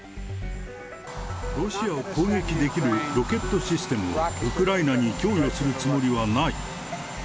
ロシアを攻撃できるロケットシステムをウクライナに供与するつもりはない。